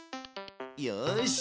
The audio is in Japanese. よし。